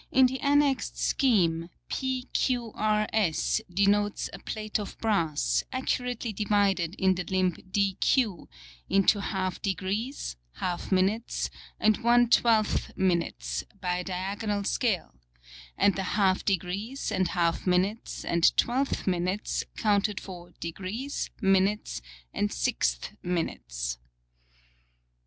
IN the annexed Scheme, PQRS denotes a Plate of Brass, accurately divided in the Limb DQ, into 12 Degrees, 12 Minutes, and 112 Minutes, by a Diagonal Scale; and the 12 Degrees, and 12 Minutes, and 112 Minutes, counted for Degrees, Minutes, and 16 Minutes.